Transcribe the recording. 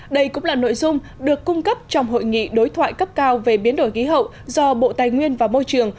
đây cũng là nội dung được cung cấp trong hội nghị đối thoại cấp cao về biến đổi khí hậu do bộ tài nguyên và môi trường